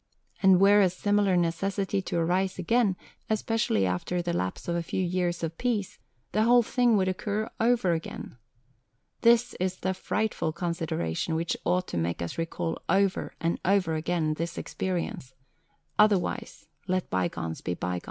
And were a similar necessity to arise again, especially after the lapse of a few years of peace, the whole thing would occur over again. This is the frightful consideration which ought to make us recall over and over again this experience otherwise, let bygones be bygones."